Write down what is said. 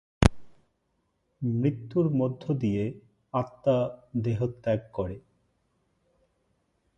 মৃত্যুর মধ্য দিয়ে আত্মা দেহত্যাগ করে।